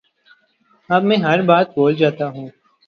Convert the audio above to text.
اب میں ہر بات بھول جاتا ہوں